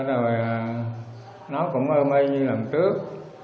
rồi nó cũng ôm y như lần trước